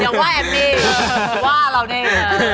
อย่างว่าแอมมี่ว่าเราเนี่ย